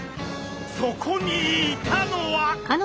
そこにいたのは。